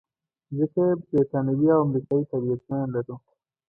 ځکه بریتانوي او امریکایي تابعیتونه لرو.